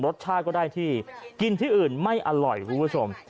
รสชาติก็ได้ที่กินที่อื่นไม่อร่อยคุณผู้ชม